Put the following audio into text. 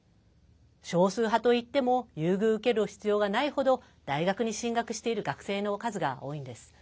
少数派といっても優遇を受ける必要がない程大学に進学している学生の数が多いんです。